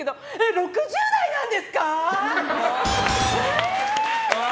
６０代なんですかー！